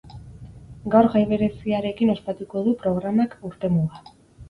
Gaur jai bereziarekin ospatuko du programak urtemuga.